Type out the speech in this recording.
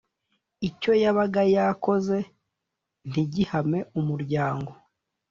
Icyo yabaga yakoze ntigihame umuryango